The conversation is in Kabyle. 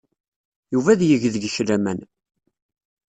Yuba ad yeg deg-k laman.